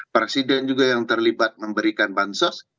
presiden juga yang terlibat memberikan bansos